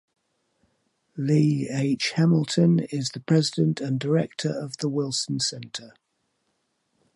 Lee H. Hamilton is the president and director of the Wilson Center.